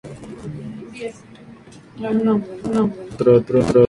Hicieron la lista dos veces.